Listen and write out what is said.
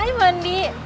hai boy hai bondi